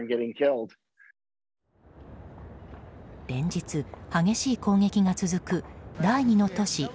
連日、激しい攻撃が続く第２の都市